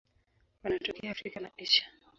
Wanatokea Afrika na Asia.